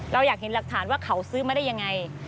เราอยากเห็นหลักฐานว่าเขาซื้อมาได้ยังไง